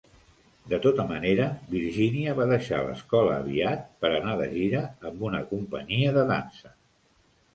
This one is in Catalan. De tota manera, Virginia va deixar l'escola aviat per anar de gira amb una companyia de dansa.